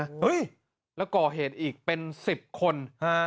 เห้ยแล้วก่อเหตุอีกเป็นสิบคนฮะ